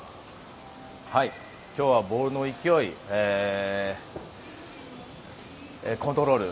今日はボールの勢いコントロール